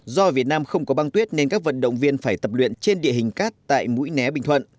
do việt nam không có băng tuyết nên các vận động viên phải tập luyện trên địa hình cát tại mũi né bình thuận